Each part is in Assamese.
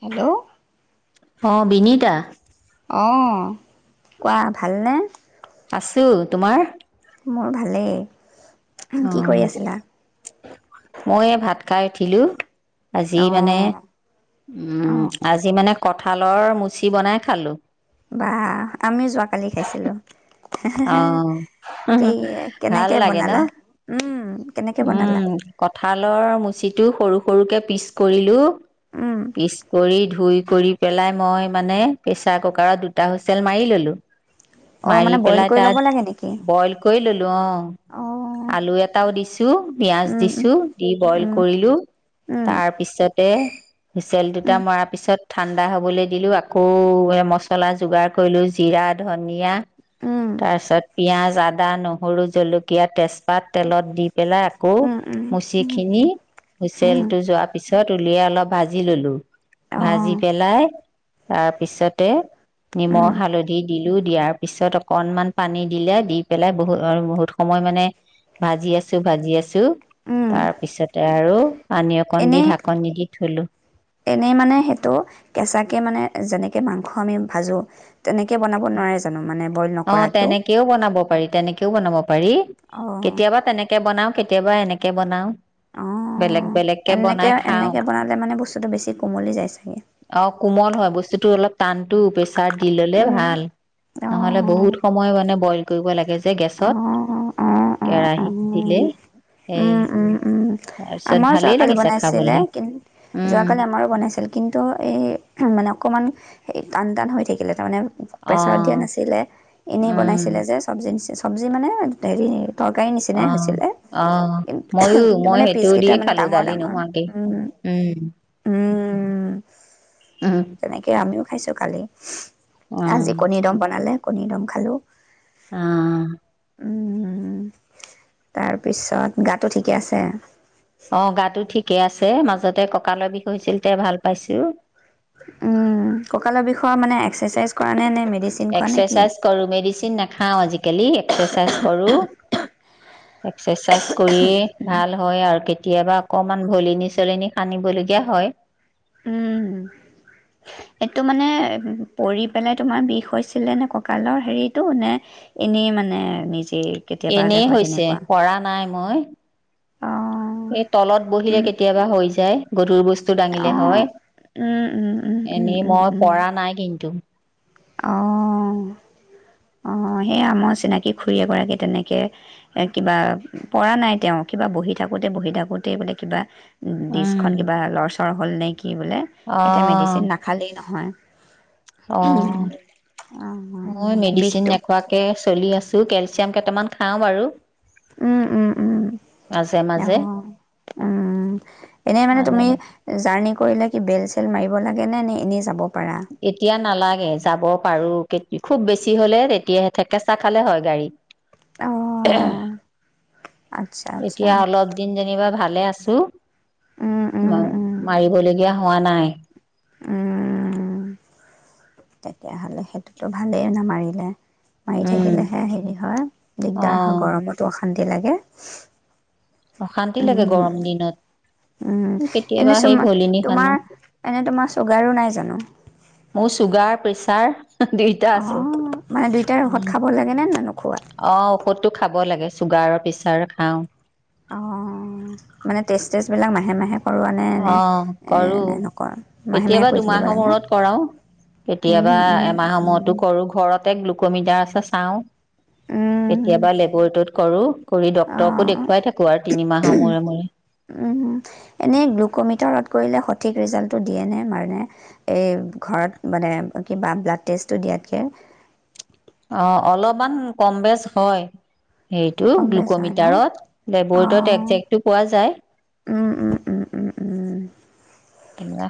হেলো অ', বিনীতা। অ', কোৱা ভালনে? আছো, তোমাৰ? মোৰ ভালেই [unintelligible] অ কি কৰি আছিলা? মই এ ভাত খাই উঠিলো। আজি মানে অঁ উম, অঁ আজি মানে কঠালৰ মুচি বনাই খালো। বাহ আমিও যোৱাকালি খাইছিলো। অ', অ', ভাল কেনেকে লাগে ন। বনালা উম কেনেকে বনালা উম, কঠালৰ মুচিত টো সৰু সৰুকে পিচ কৰিলো। উম পিচ কৰি ধুই কৰি পেলাই মই মানে, প্ৰেচা কুকাৰত দুটা হুচেল মাৰি ললো। অ', মাৰি মানে বইল পেলাই কৰি ল'ব তাত লাগে নেকি বইল কৰি ললো অ, অ আ আলু এটাও দিছ -ছো পিয়াঁজ উম দিছো দি বইল উম কৰিলো উম তাৰ পিছত এ হুইচেল দুটা উম মৰাৰ পিছত ঠাণ্ডা হবলৈ দিলোঁ আকৌ মছলা যোগাৰ কৰিলো জীৰা, ধনিয়া উম তাৰপিছত পিয়াঁজ আদ া নহৰু জলকীয়া তেজ পাত তেলত দি পেলাই আকৌ উম উম মুচি খিনি হুইচেল উম টো যোৱাৰ পিছত পিছত উলিয়াই অলপ ভাজি ললোঁ অ ভাজি পেলাই তাৰপিছতে উম নিমখ, হালধি দিলো টো দিয়াৰ পিছত অ কনমান পানী দিলে দি পেলাই বহু বহুত সময় মানে ভাজি আছো ভাজি আছো ছো উম তাৰপিছতে আৰু পানী অকণ দি এনেই ঢাকোন নিদি ধুলোঁ এনেই মানে সেইটো কেঁচাকে মানে যেনেকে মাংস আমি ভাজো তেনেকে বনাব নোৱাৰে জানো মানে বইল অ, নকৰাকেও তেনেকেও বনাব পাৰি তেনেকে কেও বনাব পাৰি। অ', কেতিয়াবা তেনেকে বনাও কে তিয়াবা এনেকে বনাওঁ। বেলেগ অ', বেলেগকে এনেকে বনাই খাওঁ। এনেকে বনালে মানে বস্তুটো বেছি কোমলি যায় চাগে। অ, কোমল হয় বস্তুটো অলপ টানটো প্ৰে [unintelligible] দি ললে উম, ভাল। বহুত অ', সময় মানে বইল কৰিব লাগে যে গেছত, অ', অ', অ', অ'। কেৰাহিত দিলে এই উম, উম, উম, তাৰপিছত আমাৰো ভালেই যোৱাকালি লাগিছে বনাইছিলে খাবলৈ কি [unintelligible] উম যোৱাকালি আমাৰো বনাইছিল কিন্তু এই মানে অকণমান সেই টান টান হৈ থাকিলে তাৰমানে অ প্ৰেছাৰত দিয়া নাছিলে এনেই উম বনাইছিলে যে সবজি নিছি চ সবজি মানে হেৰী তৰকাৰী অ নিচিনাই হৈছিলে কি [unintelligible] কিন্তু মানে দৈ পিচকেইটা দিয়েই মানে খালোঁ ডাঙৰ দালি ডাঙৰ নুহুৱাকেই, উম, উম। উম উম তেনেকে আমিও খাইছো কালি। অ আজি কণীৰ দম বনালে। কণীৰ দম খালোঁ। অ উম তাৰপিছত গাতো ঠিকে আছে? অ গাতো ঠিকেই আছে মাজতে কঁকালৰ বিষ হৈছিল তে ভাল পাইছো। উম ককালৰ বিষৰ মানে এক্সাৰচাইজ কৰা নে নে মেডিচিন খোৱা নে কি এক্সাৰচাইজ কৰো মেডিচিন নাখাও আজিকালি এক্সাৰচাইজ কৰোঁ। এক্সাৰচাইজ কৰিয়ে ভাল হয় আৰু কেতিয়াবা অকণমান ভলিনী চলিনী সানিবলগীয়া হয়। উম এইটো মানে পৰি পেনে তোমাৰ বিষ হৈছিলেনে কঁকালৰ হেৰিটো নে এনেই মানে নিজে এনেই হৈছে কৰা নাই মই। অঁ এই তলত বহিলে কেতিয়াবা হৈ [unintelligible] গধুৰ [unintelligible] অঁ দাঙিলে হয়, এনেই মই পৰা নাই কিন্তু। অঁ। অ সেইয়া আমাৰ চিনাকি খুৰী এগৰাকী তেনেকে এ কিবা পৰা নাই তেওঁ কিবা বহি থাকোতে বহি থাকোতেই বোলে কিবা উ উম ডিছখন কিবা লৰ অ হল নেকি? সি বোলে এতিয়া মেডিচিন নাখালেই নহয়। অ অঁ মই মেডিচিন বিষটো নেখুৱা কে চলি আছো কেলচিয়াম কেইটামান খাওঁ বাৰু। উম উম উম মাজে মাজে আহ উম এনে মানে মাজে তুমি মাজে জাৰ্ণি কৰিলে কি বেল চেল মাৰিব লাগে নে নে এনেই যাব? পাৰা এতিয়া নালাগে, যাব পাৰো কেত খুব বেছি হলে তেতিয়াহে থেকেচা খালে হয় গাড়ী। অঁ আচ্ছা আচ্ছা এতিয়া অলপ দিন যেনিবা ভালে আছো। উম ম উম উম মাৰিবলগীয়া হ হোৱা নাই। উম। তেতিয়াহলে সেইটোতো ভালেই নামাৰিলে। মাৰি উম। থাকিলেহে হেৰি হয় দিগদাৰ হয় অ' গৰমতো শান্তি লাগে। অশান্তি লাগে উমম গৰম দিনত। উম, কেতিয়াবা এনে সেই চুমা ভলিনি সানো। তোমাৰ এনে তোমাৰ চুগাৰো নাই জানো? মোৰ চুগাৰ প্ৰেচাৰ অ মানে দুইটাৰ উম। ঔষধ খাব লাগে নে ন অ ঔষধটো খাব। [unintelligible] লাগে চুগাৰ পিছাৰ খাওঁ। অ মানে টেষ্ট থেষ্টবিলাক মাহে মাহে কৰোৱা নে অ নে কৰো, নে নকৰ মাহে মাহে কেতিয়াবা কৰি থাকিব দুমাহৰ লাগে ন মূৰত কৰাওঁ, কেতিয়াবা এমাহৰ মূৰতো কৰো, ঘৰতে গ্লুকমিটাৰ আছে আও কেতিয়াবা লেবৰেটৰীত কৰোঁ, কৰি ডক্তৰকো অঁ দেখুৱাই থাকো আৰু তিনিমাহৰ মূৰে মূৰে। কমিটৰত কৰিলে সঠিক ৰিজাল্টটো দিয়ে নে মানে এ ঘৰত মানে কিবা ব্লাড টেষ্টটো দিয়াতকে? অ অলপমান কম বেচ হয়। সেইটো কম বেছ হয় ন? গ্লুকমিটাৰত লেবৰেটৰত একজেক্টটো পোৱা যায়। উ-উ-উ-উ-উ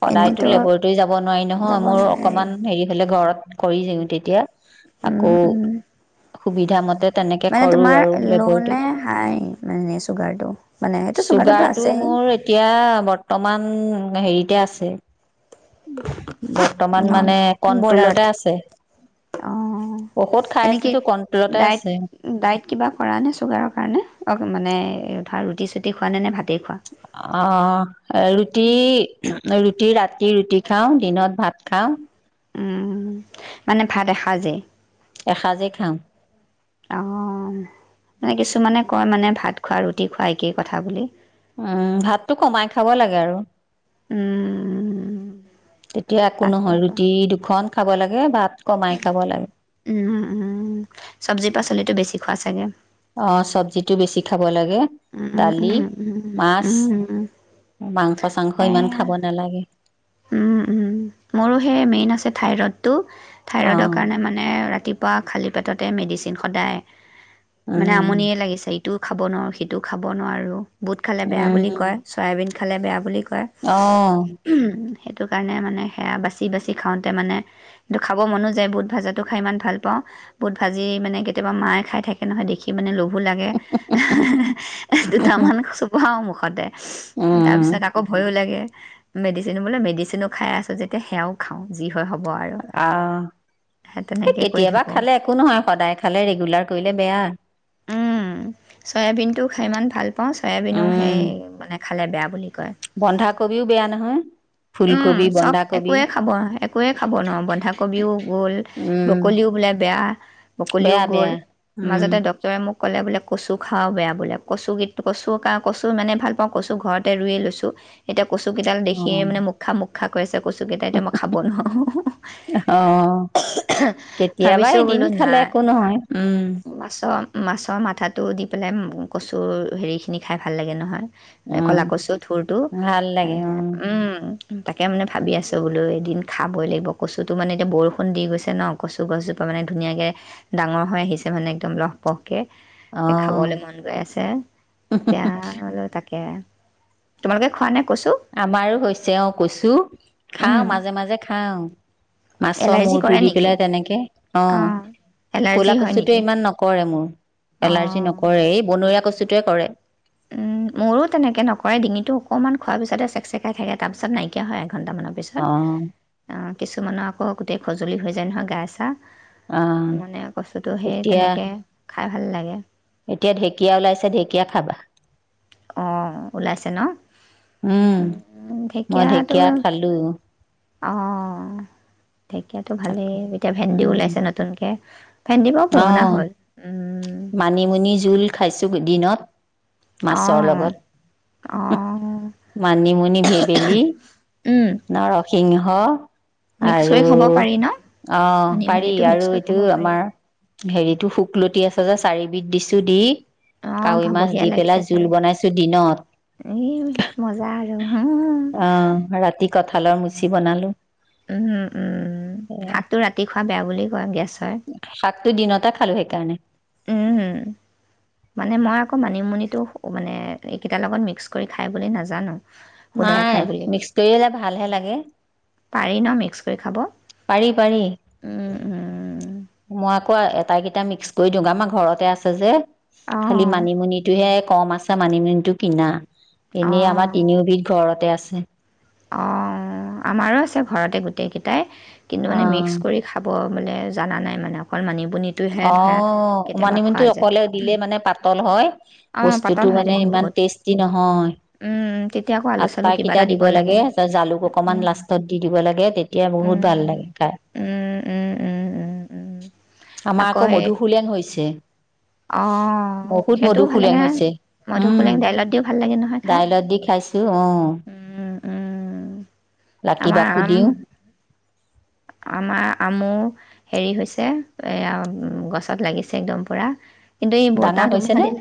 সদায়তো লেবৰেটৰী যাব নোৱাৰি নহয় যাব মোৰ নোৱাৰে, অকমান হেৰি হলে ঘৰত কৰি দিওঁ তেতিয়া উম, আকৌ উম। সুবিধা মতে তেনেকে মানে কৰো তোমাৰ আৰু লো নে লেবৰেটৰীত হাই মানে চুগাৰটো? মানে সেইটো চুগাৰটোতো চুগাৰটো আছেই মোৰ এতিয়া [unintelligible] হেৰিতে আছে [inaudible] মানে [unintelligible] বৰ্ডাৰত। কন্ট্ৰলতে আছে অঅ ঔষধ খাই এনে কি আছোতো কন্ট্ৰলতে আছে ডাইট-ডাইট কিবা কৰা নে চুগাৰৰ কাৰণে অ মানে [unintelligible] ৰুটি চুটি খোৱা নে-নে ভাত অ এ ৰুটি-ৰুটি ৰাত ৰাতি ৰুটি খাওঁ, দিনত ভাত খাওঁ। উম মানে ভাত এসাঁজে? এসাঁজে খাওঁ। অঅ, মানে কিছুমানে কয় মানে ভাত খোৱা ৰুটি খোৱা একেই কথা বুলি। উম ভাততো কমাই খাব লাগে আৰু। উমমম তেতিয়া একো নহয় ৰুটি দুখন খাব লাগে ভাত কমাই খাব লাগে। উম, উম, চব্জি পাচলিটো বেছি খোৱা চাগে? অ চব্জি টো বেছি খা [unintelligible] লাগে, উম, উম, দালি, উম, উম, মাছ উম, উম, মাংস চাংস ইমান এয়া। খাব নালাগে। ‌ উম, উম, মোৰো সেই মেইন আছে থাইৰড। [unintelligible] থাইৰইডৰ অ' কাৰণে মানে ৰাতি বা খালী পেটতে মেডিচিন সদায়। মানে উম আমনিয়ে লাগিছে এইত ইটোও খাব নোৱাৰোঁ সিটোও খাব নোৱাৰোঁ। বুট খালে বেয়া উম বুলি কয় চয়াবিন ইফালে বেয়া বুলি পা অ' সেইটো কাৰণে মানে সেয়া বাচি বাচি খাওঁতে মানে, কিন্তু খাব মনো যায়। বুট ভাজাটো খাই ইমান ভাল পাওঁ, বুট ভাজি মানে কেতিয়াবা মায়ে খাই থাকে নহয় দেখি মানে লোভ লাগে হাহাহা, দুটামান চোবাও মুখ পদ তাৰ উম পিছত আকৌ ভয়ো লাগে। মেডিচিন বোলে মেডিচিনো খাই আছো যে [unintelligible] সেয়াও খাওঁ যি অ, সেই এই তেনেকৈ কৰি কেতিয়াবা থাকোঁ খালে একো নহয় সদায় খালে ৰেগুলাৰ কৰিলে বেয়া। উহ, চয়াবিন টো খাই ইমান ভাল পাওঁ চয়াবিনো উম সেই মানে খালে বেয়া বুলি কয় বন্ধাকবিও বেয়া নহয়। উম ফুলকবি চব বন্ধাকবি একোৱে খাব, একোৱে খাব নোৱাৰোঁ। বন্ধাকবিও গল, উম ব্ৰকলিও বোলে বেয়া ব্ৰকলিও বেয়া গল, বেয়া উম মাজতে ডক্টৰে মোক কলে বোলে কচু খাওঁ বেয়া বোলে, কচু গীত কচু কা কচু ইমানে ভাল পাওঁ কচু ঘৰতে ৰুইয়ে লৈছোঁ এতিয়া কচুকেইডাল দেখিয়ে অ' মানে মোক ৰক্ষা কৰি কচু কেইটা এতিয়া মই খাব নোৱাৰো, অ' কেতিয়াবা ভাবিছো এদিন বোলো খালে নাই একো নহয় উম বাচন মাছৰ মাথাটো দি পেলাই কচুৰ হেৰিখিনি খাই ভাল লাগে নহয়। উম কলা কছো থুৰটো, ভাল লাগে [unintelligible] উম তাকে মানে ভাবি আছোঁ বোলো এদিন খাবই লাগিব কচুটো মানে এতিয়া বৰষুণ দি গৈছে ন কচু গছজোপা মানে ধুনীয়াকৈ ডাঙৰ হৈ আহিছে মানে একদম লহপহ। তাকে অ খাবলৈ মন গৈ আছে, এতিয়া বুলো তাকে। তোমালোকে খোৱা নে? কচু আমাৰো হৈছে অ কচু, উম, খাওঁ মাজে মাজে খাওঁ। মাছৰ এলাৰ্জি মূৰটো কৰে দি নেকি পেলাই তেনেকে, অ, অঁ এলাৰ্জি কলা হয় কচুটোৱে নেকি ইমান নকৰে মোৰ, এলাৰ্জি অঁ নকৰে এই বনৰীয়া কচুতো ট কৰে উম মোৰো তেনেকে নকৰে, ডিঙিটো অকমান খোৱাৰ পিছতে চেকচেকাই থাকে তাৰ পিছত নাইকিয়া হয় আ ঘন্টা মানৰ অ পিছত অ কিছুমানৰ আকৌ গোটেই খজুলি হৈ যায় নহয় গায় অ চায় মানে কচুতো সেই এতিয়া তেনেকে খাই ভাল লাগে এতিয়া ঢেকীয়া ওলাইছে, ঢেকীয়া খাবা। অ, ওলাইছে ন। উম মই ঢেকীয়া খালো। অ ঢেঁকীয়াটো ভালেই, আকৌ এতিয়া ভেন্দিও উম ওলাইছে নতুনকে। অ উম, মানিমুনি জোল খাইছো দিনত মাছৰ অঁ লগত অঁ মানিমুনি ভেবেলী উম, নৰসিংহ হ মিক্স আৰু কৰি খাব পাৰি ন অ পাৰি মানিমুনিটো মিক্স আৰু কৰি এইটো খাব পাৰি আমাৰ হেৰিটো শুকলতি আছে যে চাৰিবিধ দিছোঁ দি কাৱৈ অঁ মাছ বঢ়িয়া দি লাগিছে পেলাই চাগে জোল বনাইছো দিনত। এই মজা আৰু হা আহ ৰাতি কঠালৰ মুচ জি বনালোঁ উম উম শাক টো ৰাতি খোৱা বেয়া বুলি কয়, গেছ হয় [unintelligible] দিনতে খালে সেইকাৰণে উমম, মানে মই আকৌ মানিমুনিটো মানে এইকেইটাৰ লগত মিক্স কৰি খাই বুলি নাজানো। সুদাই নাই, খাই বুলি কয় মিক্স কৰিলে ভালহে লাগে। পাৰি ন মিক্স কৰি খাব? পাৰি পাৰি। উম উম মই আকৌ আটাইকেইটা মিক্স কৰি দিওঁ আমাৰ ঘৰতে আছে যে খালি অঁ মানিমুনিটোহে এক কম আছে মানিমুনিটো কিনা এনেই আমাৰ অঁ তিনিওবিধ ঘৰতে আছে ছে অ আমাৰো আছে ঘৰতে গোটেই কেইটাই কিন্তু মানে অ মিক্স কৰি খাব বোলে জানা নাই মানে অকল মানিমু অ মানিমুনিটো যায় অকলে দিলে মানে পাতল হয় অঁ বস্তুতটো পাতল হয় মানে দেখি ইমান বহুত টেষ্টি নহয়, উম, তেতিয়া আকৌ আলু চালু আটাই কিবা কেইটা এটা দিব লাগে জে-জালুক অকমান উম। লাষ্টত দি দিব লাগে তেতিয়া বহুত ভাল উম, লাগে খাই। উম, উম, উম, উম, উম। আমাৰ আকৌ মধুসোলেং হৈছে। অ', সেইটোও বহুত ভাল লাগে ফুলেং নহয়। হৈছে উম মধুসোলেং দাইলত দিও ভাল লাগে নহয় খাই। দাইলত দি খাইছো অ উম, উম, ৰাখী আমাৰ বাকো আম দিওঁ আমাৰ আমো হেৰি হৈছে এয়া গছত লাগিছে একদম পুৰা। কিন্তু এই বতাহ ডাঙৰ হৈছে ধুমুহা নে? দিলে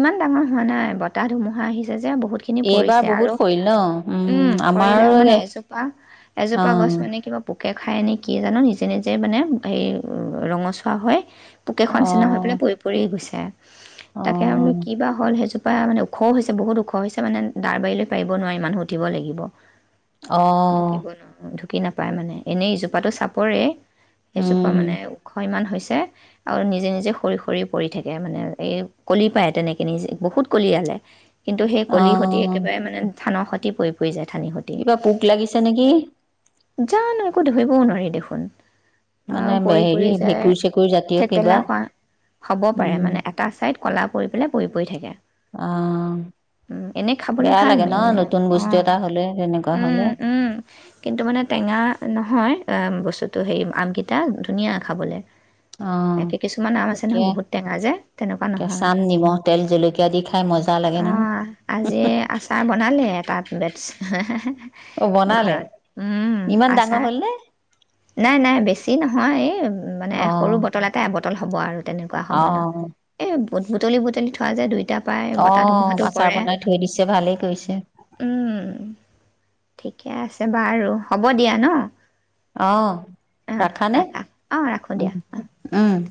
ইমান ডাঙৰ হোৱা নাই ব তাত ধুমুহা আহিছে যে বহুতখিনি এইবাৰ পৰিছে আৰু বহুত সৰিল ন উম আমাৰ কৰিডাল মানে এজোপা এজোপা গছ মানে কিবা পোকে খাই এনেই কিয়ে জানো নিজে নিজে মানে হেৰি ৰঙচুৱা হয় পোকে খোৱা নিচিনা হৈ পেলাই অ', পৰি পৰি গৈছে। [inaudible] তাকে আৰু অ', কিবা হল সেইজোপা‌ [inaudible] মানে ওখও হৈছে বহুত ওখ হৈছে মানে দাৰ [unintelligible] পাৰিব নোৱাৰি মানুহ উঠিব লাগিব অ', ঢুকিব ন ঢু কি নাপায় মানে, এনেই ইজোপাটো চাপৰেই এজোপা উম, মানে ওখ ইমান হৈছে যে আৰু নিজে নিজে সৰি সৰি পৰি থাকে মানে এই কলি পায় তেনেকে নিজে বহুত কলিয়ালে। কিন্তু সেই কলি সতে অ', একেবাৰে মানে থানৰ খৈতে পৰি পৰি যায় থানি সৈ কিবা পোক লাগিছে নেকি? জানো একো ধৰিবও নোৱাৰি দেখোন। মানে বে- পৰি হেৰি পৰি যায়, ভেঁকুৰ চেকুৰ জাতীয় কিবা থেতেলা খোৱা হব পাৰে। উম। মানে এটা চাইদ কলা পৰি পেলাই বহি পৰি থাকে অ, উম, এনেই খাবলৈ বেয়া লাগে ন নতুন বস্তু এটা হলে এনেকুৱা। উম উম কিন্তু মানে টেঙা নহয়। [unintelligible] বস্তুটো হেৰি আমকেইটা ধুনীয়া খাবলৈ। অ'। একে কিছুমান আম আছে নহয় এতিয়া বহুত টেঙা যে তেনেকুৱা নহয়। কেঁচাম নিমখ তেল জলকীয়া দি খাই মজা লাগে অ, নহয়। আজি আচাৰ বনালে তাত হলে। হে হে হে- অ', বনালে ঘৰত, উম, ইমান ডাঙৰ আছাৰ। হ'ল নে? নাই নাই বেছি এ নহয় এ মানে সৰু অ', বটল এটা এবটল হব আৰু তেনেকুৱা সমানৰ, অ', এ বুটুলি বুটুলি থোৱা যায় দুই। অ', ভাত চাত বনাই থৈ দিছে ভালেই কৰিছে। উম ঠিকে আছে বাৰু। হ'ব দিয়া ন। আহ অঁ ৰাখানে? ৰাখা অঁ ৰাখোঁ উ দিয়া অঁ উম।